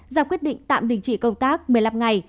ra quyết định tạm đình chỉ công tác một mươi năm ngày